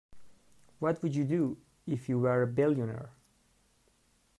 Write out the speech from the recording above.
What would you do if you were a billionaire?